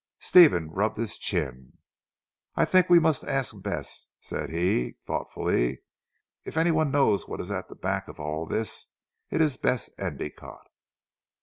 Stephen rubbed his chin. "I think we must ask Bess," said he thoughtfully, "if anyone knows what is at the back of all this it is Bess Endicotte."